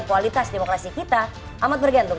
kualitas demokrasi kita amat bergantung